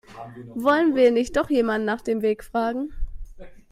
Wollen wir nicht doch jemanden nach dem Weg fragen?